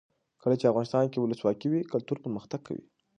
کله چې افغانستان کې ولسواکي وي کلتور پرمختګ کوي.